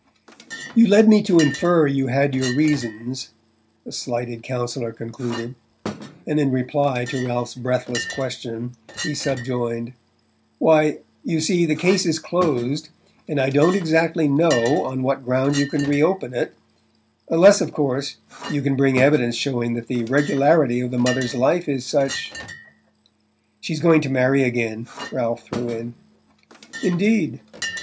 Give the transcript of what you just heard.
"You led me to infer you had your reasons " the slighted counsellor concluded; and, in reply to Ralph's breathless question, he subjoined, "Why, you see, the case is closed, and I don't exactly know on what ground you can re open it unless, of course, you can bring evidence showing that the irregularity of the mother's life is such..." "She's going to marry again," Ralph threw in. "Indeed?